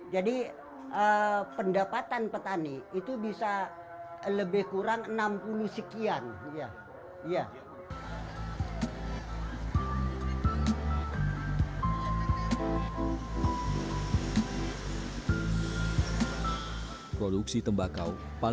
jadi pendapatan petani itu bisa lebih kurang enam puluh sekian